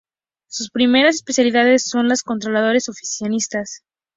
Sus primeras especialidades son las de Contadores Oficinistas.